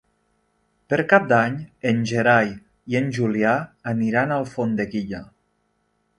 Per Cap d'Any en Gerai i en Julià aniran a Alfondeguilla.